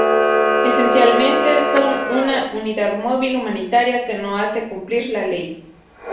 Esencialmente, son una "unidad móvil humanitaria que no hace cumplir la ley".